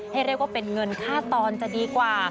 เรียกว่าเป็นเงินค่าตอนจะดีกว่า